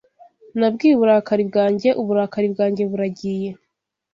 Nabwiye uburakari bwanjye, uburakari bwanjye burangiye